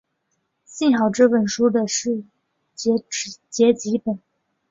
幸好这部书的结集本。